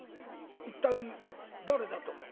一体誰だと思う？